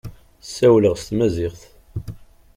Ssawleɣ s tmaziɣt.